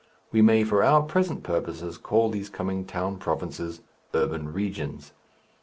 We may for our present purposes call these coming town provinces "urban regions."